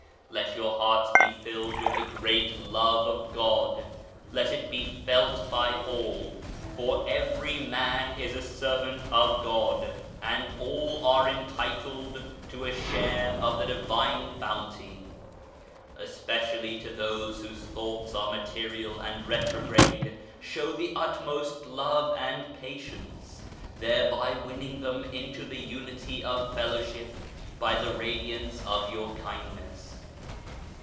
Let your hearts be filled with the Great Love of God, let it be felt by all ; for every man is a servant of God, and all are entitled to a share of the Divine Bounty. Especially to those whose thoughts are material and retrograde show the utmost love and patience, thereby winning them into the Unity of fellowship by the radiance of your kindness.